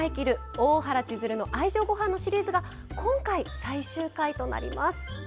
大原千鶴の愛情ごはん」のシリーズが今回、最終回となります。